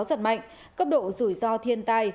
giật mạnh cấp độ rủi ro thiên tai